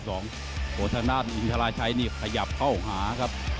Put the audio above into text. โธษณาตรีอินทราชัยนี่ขยับเข้าหาครับ